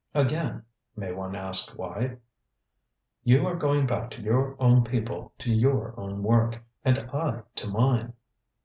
"Again, may one ask why?" "You are going back to your own people, to your own work. And I to mine."